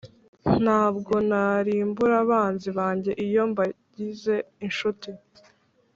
ntabwo ntarimbura abanzi banjye iyo mbagize inshuti?